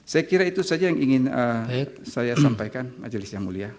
saya kira itu saja yang ingin saya sampaikan majelis yang mulia